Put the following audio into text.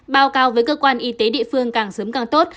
báo cáo với cơ quan y tế địa phương càng sớm càng tốt